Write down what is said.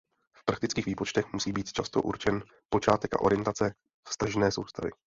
V praktických výpočtech musí být často určen počátek a orientace vztažné soustavy.